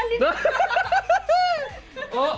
ini yang jadi dorong